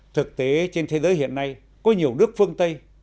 thực tế trên thế giới hiện nay có nhiều nước phương tây